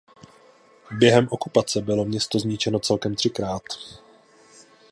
Během okupace bylo město zničeno celkem třikrát.